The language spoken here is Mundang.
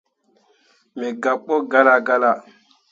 Me gabɓo galla galla.